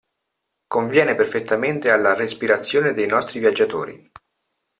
Conviene perfettamente alla respirazione dei nostri viaggiatori.